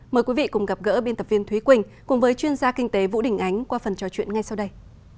mời quý vị cùng gặp gỡ biên tập viên thúy quỳnh cùng với chuyên gia kinh tế vũ đình ánh qua phần trò chuyện ngay sau đây